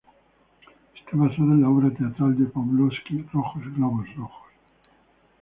Está basada en la obra teatral de Pavlovsky "Rojos globos rojos".